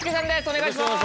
お願いします。